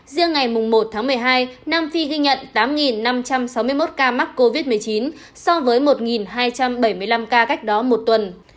riêng ngày một tháng một mươi hai nam phi ghi nhận tám năm trăm sáu mươi một ca mắc covid một mươi chín so với một hai trăm bảy mươi năm ca cách đó một tuần